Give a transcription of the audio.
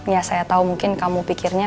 ya saya tahu mungkin kamu pikirnya